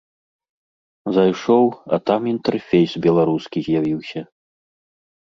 Зайшоў, а там інтэрфейс беларускі з'явіўся.